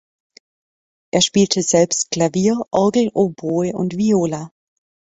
Er spielte selbst Klavier, Orgel, Oboe und Viola.